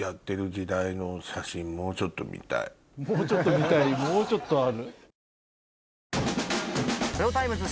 もうちょっと見たいもうちょっとある？